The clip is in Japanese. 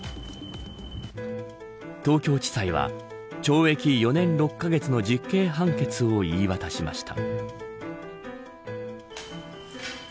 東京地裁は懲役４年６カ月の実刑判決を言い渡しました。